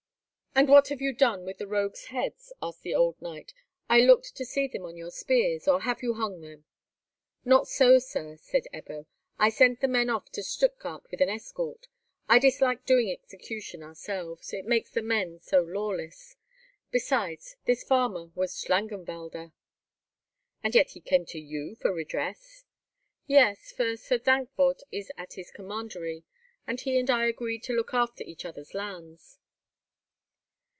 "And what have you done with the rogues' heads?" asked the old knight. "I looked to see them on your spears. Or have you hung them?" "Not so, Sir," said Ebbo. "I sent the men off to Stuttgard with an escort. I dislike doing execution ourselves; it makes the men so lawless. Besides, this farmer was Schlangenwalder." "And yet he came to you for redress?" "Yes, for Sir Dankwart is at his commandery, and he and I agreed to look after each other's lands."